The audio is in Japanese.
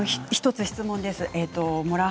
１つ質問です。